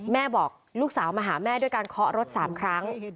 บอกลูกสาวมาหาแม่ด้วยการเคาะรถ๓ครั้ง